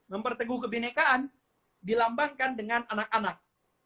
memperteguh kebinekaan dilambangkan dengan anak anak